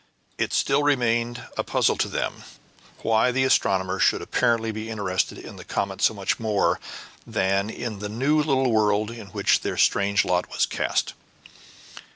It still remained a puzzle to them all why the astronomer should apparently be interested in the comet so much more than in the new little world in which their strange lot was cast.